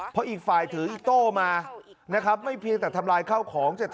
เพราะอีกฝ่ายถืออิโต้มานะครับไม่เพียงแต่ทำลายข้าวของ